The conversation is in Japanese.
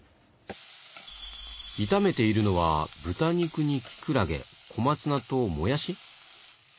炒めているのは豚肉にきくらげ小松菜ともやし？